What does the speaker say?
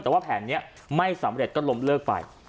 แต่ว่าแผนนี้ไม่สำเร็จก็ล้มเลิกไป